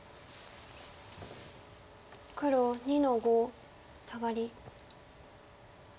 黒２の五サガリ。